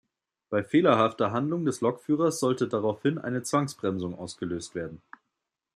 Bei fehlerhafter Handlung des Lokführers sollte daraufhin eine Zwangsbremsung ausgelöst werden.